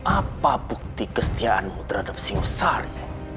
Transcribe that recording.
apa bukti kestiaanmu terhadap singwasari